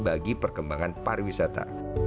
bagi perkembangan pariwisata